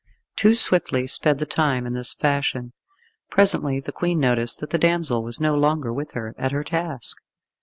Too swiftly sped the time in this fashion. Presently the Queen noticed that the damsel was no longer with her at her task.